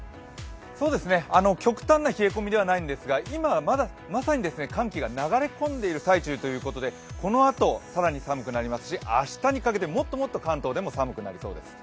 極端な冷え込みではないんですが今はまさに寒気が流れ込んでいる最中ということでこのあと更に寒くなりますし明日にかけてもっともっと関東でも寒くなりそうです。